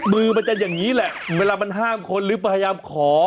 มือมันจะอย่างนี้แหละเวลามันห้ามคนหรือพยายามขอ